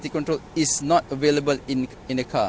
เมื่ออังกษาที่ปฏิเสธ